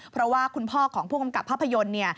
เพราะว่าคุณพ่อของผู้กำกับภาพยนตร์เนี่ย